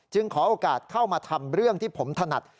ขอโอกาสเข้ามาทำเรื่องที่ผมถนัด